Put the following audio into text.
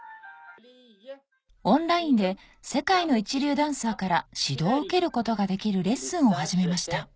オンラインで世界の一流ダンサーから指導を受けることができるレッスンを始めました